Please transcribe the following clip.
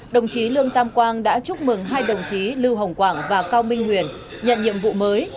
đồng chí lương tam quang đã chúc mừng hai đồng chí lưu hồng quảng và cao minh huyền nhận nhiệm vụ mới